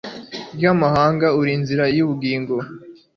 rw'amahanga, uri inzira y'ubugingo